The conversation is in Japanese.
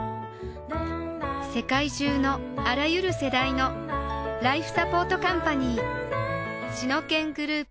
世界中のあらゆる世代のライフサポートカンパニーシノケングループ